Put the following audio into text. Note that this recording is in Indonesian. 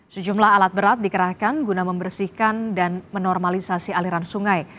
sejumlah alat berat dikerahkan guna membersihkan dan menormalisasi aliran sungai